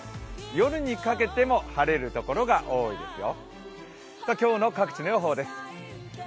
夜にかけても晴れるところが多いですよ。